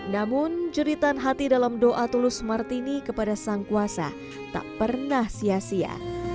namun jeritan hati dalam doa tulus martini kepada sang kuasa tak pernah sia sia